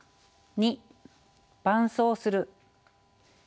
２伴走する。